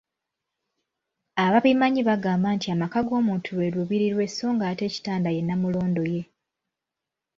Ababimanyi bagamba nti amaka g‘omuntu lwe lubiri lwe so nga ate ekitanda ye Nnamulondo ye.